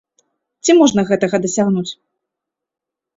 Ці можна гэтага дасягнуць?